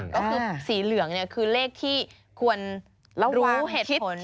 ก็คือสีเหลืองเนี่ยคือเลขที่ควรรู้เหตุผลก่อน